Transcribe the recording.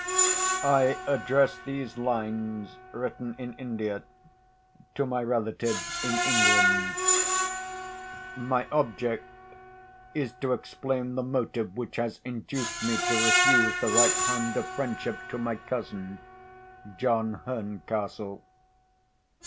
_ I I address these lines—written in India—to my relatives in England. My object is to explain the motive which has induced me to refuse the right hand of friendship to my cousin, John Herncastle.